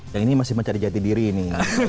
yang ini masih mencari jati diri nih